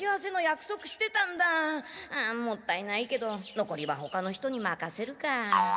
もったいないけどのこりはほかの人にまかせるか。